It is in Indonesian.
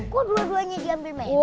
kok dua duanya diambil memet